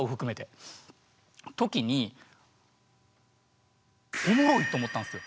時に「おもろい！」と思ったんですよ。